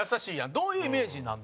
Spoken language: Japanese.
どういうイメージになるの？